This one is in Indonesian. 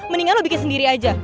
mendingan lo bikin sendiri aja